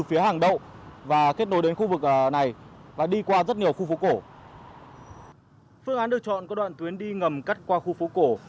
phương án được chọn có đoạn tuyến đi ngầm cắt qua khu phố cổ